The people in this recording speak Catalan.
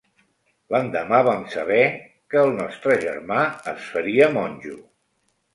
L'endemà vam saber que el nostre germà es faria monjo.